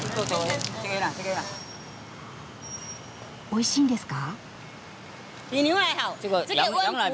おいしいんですか？